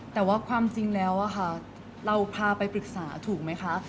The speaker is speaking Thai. แต่ว่าความจริงแล้วเราพาไปปรึกษาถูกไหมคะ